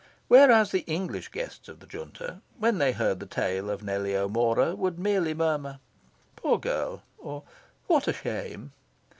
Whereas the English guests of the Junta, when they heard the tale of Nellie O'Mora, would merely murmur "Poor girl!" or "What a shame!"